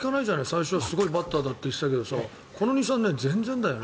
最初はすごいバッターなんて言ってたけどこの２３年全然だよね。